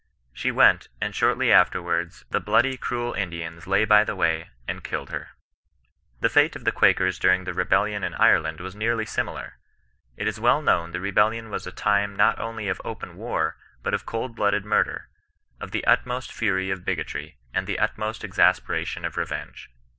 She went ; and shortly afterwards * the bloody, cruel Indians, lay by the way, and killed her.' " The fate of the Quakers during the rebellion in Ire~ land was nearly similar. It is well known the rebellion was a time not only of open war but of cold blooded murder ; of the utmost fury of bigotiy, and the utmost exasperation of revenge.